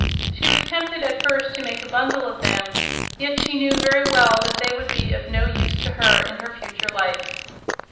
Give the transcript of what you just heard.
She was tempted at first to make a bundle of them, yet she knew very well that they would be of no use to her in her future life.